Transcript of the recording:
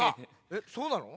えっそうなの？